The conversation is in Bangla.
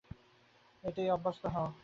এতেই অভ্যস্ত হও।